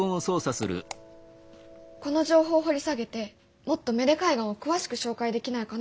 この情報掘り下げてもっと芽出海岸を詳しく紹介できないかなと思って。